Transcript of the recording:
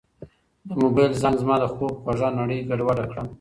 د موبایل زنګ زما د خوب خوږه نړۍ ګډوډه کړه.